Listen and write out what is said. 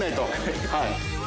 はい。